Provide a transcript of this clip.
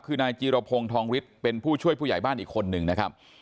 คือนายจีรพงศ์ทองฤทธิ์เป็นผู้ช่วยผู้ใหญ่บ้านอีกคนนึงนะครับ